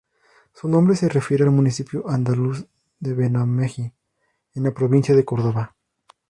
Su nombre se refiere al municipio andaluz de Benamejí, en la provincia de Córdoba.